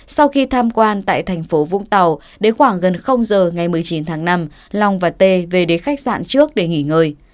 sau khi tham quan tại thành phố vũng tàu đến khoảng gần giờ ngày một mươi chín tháng năm long và t về đến khách sạn trước để nghỉ ngơi